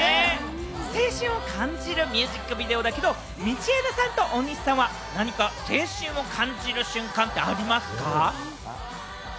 青春を感じるミュージックビデオだけれども、道枝さんと大西さんは、何か青春を感じる瞬間ってありますか？